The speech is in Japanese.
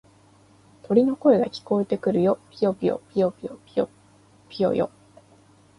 鳥の声が聞こえてくるよ。ぴよぴよ、ぴよぴよ、ぴよぴよよ。